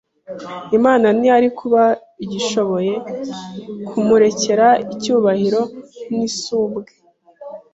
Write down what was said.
Imana ntiyari kuba igishoboye kumurekera icyubahiro n’isumbwe;